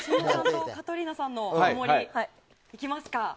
カトリーナさんのハモリいきますか。